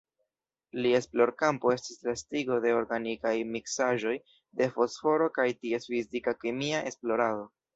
Lia esplorkampo estis la estigo de organikaj miksaĵoj de fosforo kaj ties fizika-kemia esplorado.